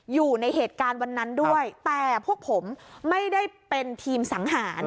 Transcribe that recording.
อยู่ในเหตุการณ์วันนั้นด้วยแต่พวกผมไม่ได้เป็นทีมสังหาร